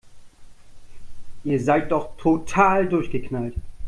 Ihr seid doch total durchgeknallt!